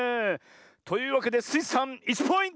というわけでスイさん１ポイント！